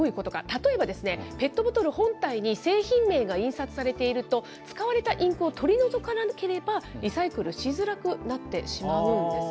例えば、ペットボトル本体に製品名が印刷されていると、使われたインクを取り除かなければ、リサイクルしづらくなってしまうんです。